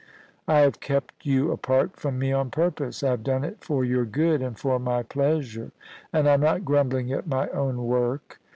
I have kept you apart from me on purpose. I have done it for your good and for my pleasure, and I'm not grumbling at my own work.